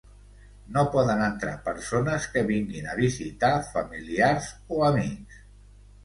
No poden entrar persones que vinguin a visitar familiars o amics.